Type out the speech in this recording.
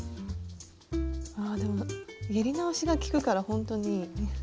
あでもやり直しがきくからほんとにいい。